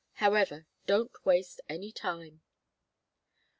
However, don't waste any time."